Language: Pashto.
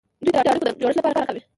دوی د اړیکو د ګډ جوړښت لپاره کار کوي